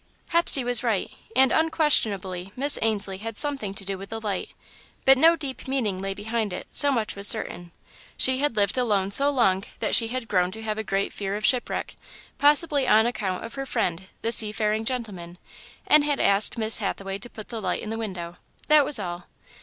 Hepsey was right, and unquestionably Miss Ainslie had something to do with the light; but no deep meaning lay behind it so much was certain. She had lived alone so long that she had grown to have a great fear of shipwreck, possibly on account of her friend, the "seafaring gentleman," and had asked Miss Hathaway to put the light in the window that was all.